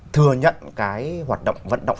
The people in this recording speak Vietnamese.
thừa nhận cái hoạt động vận động